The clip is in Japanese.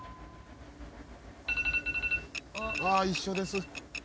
「あっ一緒です」